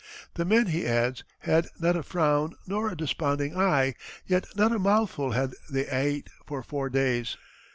"The men," he adds, had "not a frown, nor a desponding eye yet not a mouthful had they ate for four days."